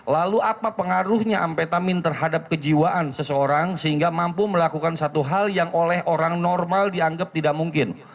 lalu apa pengaruhnya ampetamin terhadap kejiwaan seseorang sehingga mampu melakukan satu hal yang oleh orang normal dianggap tidak mungkin